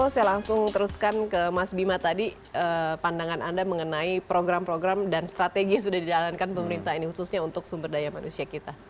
saya langsung teruskan ke mas bima tadi pandangan anda mengenai program program dan strategi yang sudah dijalankan pemerintah ini khususnya untuk sumber daya manusia kita